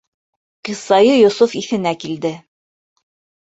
«Ҡиссаи Йософ» иҫенә килде.